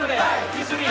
・一緒に。